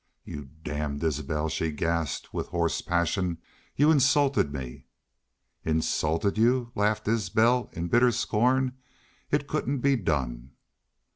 "Y'u damned Isbel!" she gasped, with hoarse passion. "Y'u insulted me!" "Insulted you?..." laughed Isbel, in bitter scorn. "It couldn't be done."